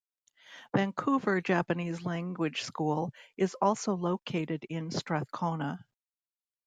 Vancouver Japanese Language School is also located in Strathcona.